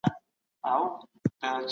مخینه وڅېړئ ترڅو په موضوع ښه پوه شئ.